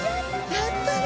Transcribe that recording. やったね！